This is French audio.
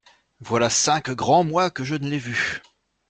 Voilà cinq grands mois que je ne l'ai vue.